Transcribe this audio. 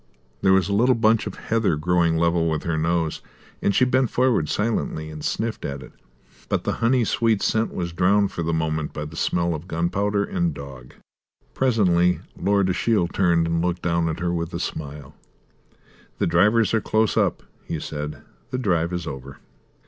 There was a little bunch of heather growing level with her nose, and she bent forward silently and sniffed at it. But the honey sweet scent was drowned for the moment by the smell of gunpowder and dog. Bang! bang! bang! Presently Lord Ashiel turned and looked down at her, with a smile. "The drivers are close up," he said. "The drive is over."